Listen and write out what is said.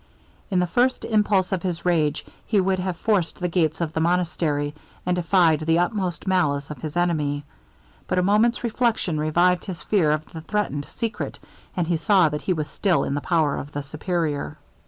In the first impulse of his rage, he would have forced the gates of the monastery, and defied the utmost malice of his enemy. But a moment's reflection revived his fear of the threatened secret, and he saw that he was still in the power of the Superior.